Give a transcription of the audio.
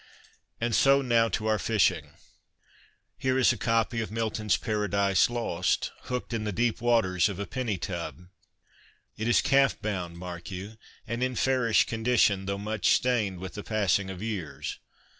And so now to our fishing ! Here is a copy of Milton's Paradise Lost, ' hooked ' in the deep waters of a ' penny tub.' It is calf bound, mark you, and in fairish condition, though much stained with the passing of years.